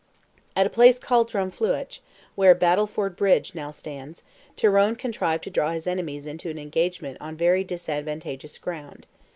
At a place called Drumfliuch, where Battleford Bridge now stands, Tyrone contrived to draw his enemies into an engagement on very disadvantageous ground.